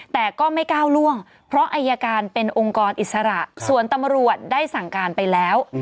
แต่ก็ไม่ก้าวล่วงเพราะอายการเป็นองค์กรอิสระส่วนตำรวจได้สั่งการไปแล้ว